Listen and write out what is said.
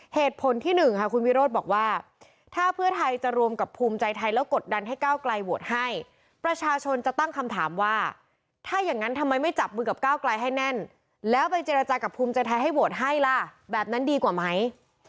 เหตุผลที่๑ค่ะคุณวิโรธบอกว่าถ้าเพื่อไทยจะรวมกับภูมิใจไทยแล้วกดดันให้ก้าวไกลโหวตให้ประชาชนจะตั้งคำถามว่าถ้าอย่างนั้นทำไมไม่จับมือกับก้าวไกลให้แน่นแล้วไปเจรจากับภูมิใจไทยให้โหวตให้ล่ะแบบนั้นดีกว่าไหม